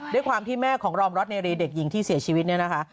ด้วยความที่แม่ของรอมรัฐเนรีเด็กหญิงที่เสียชีวิตเนี่ยนะคะ